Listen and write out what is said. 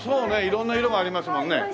色んな色がありますもんね。